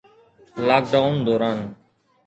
lock down دوران